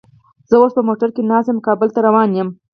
زه اوس په موټر کې ناست یم او کابل ته روان یم